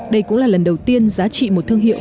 đây cũng là lần đầu tiên giá trị một thương hiệu